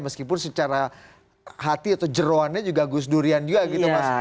meskipun secara hati atau jeroannya juga gusdurian juga gitu mas priya